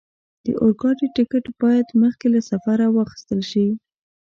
د اورګاډي ټکټ باید مخکې له سفره واخستل شي.